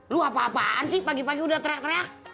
lu apa apaan sih pagi pagi udah teriak teriak